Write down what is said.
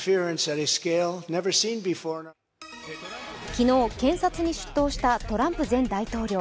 昨日、警察に出頭したトランプ前大統領。